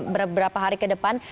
beberapa hari ke depan